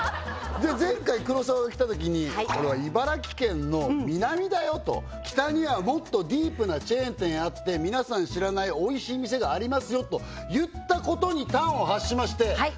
前回黒沢が来た時にこれは茨城県の南だよと北にはもっとディープなチェーン店あって皆さん知らないおいしい店がありますよと言ったことに端を発しましてはい